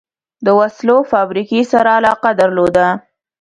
د وسلو فابریکې سره علاقه درلوده.